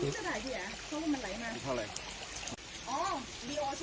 เพราะว่ามันไหลมา